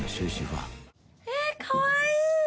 えっかわいい！